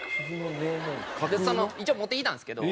一応持ってきたんですけど。